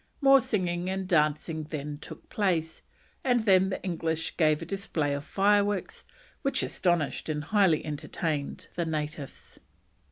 More singing and dancing then took place, and then the English gave a display of fireworks, which "astonished and highly entertained" the natives.